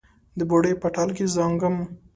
د بوډۍ په ټال کې زانګم